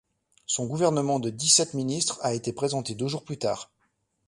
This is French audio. Son gouvernement de dix-sept ministres a été présenté deux jours plus tard.